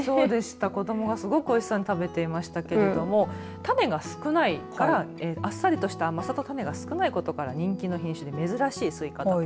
子どもがすごく美味しそうに食べていましたけれども種が少ないからあっさりとした甘さと種が少ないことから人気の品種で珍しいスイカと。